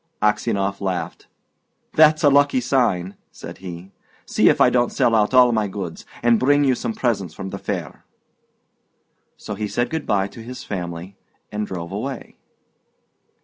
Aksionov laughed. "That's a lucky sign," said he. "See if I don't sell out all my goods, and bring you some presents from the fair." So he said good bye to his family, and drove away.